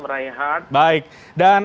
rayhat baik dan